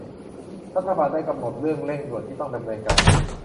รัฐบาลได้กำหนดเรื่องเร่งด่วนที่ต้องดำเนินการ